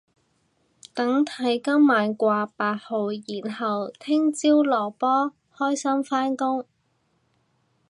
等睇今晚掛八號然後聽朝落波開心返工